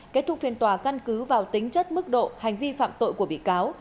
kết thúc phiên tòa căn cứ vào tính chất mức độ hành vi phạm tội của bị cáo